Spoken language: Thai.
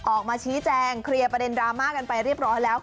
ออกมาชี้แจงเคลียร์ประเด็นดราม่ากันไปเรียบร้อยแล้ว